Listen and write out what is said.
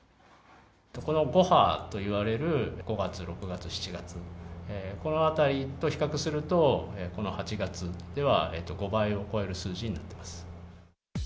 この５波といわれる、５月、６月、７月、このあたりと比較すると、この８月では、５倍を超える数字になってます。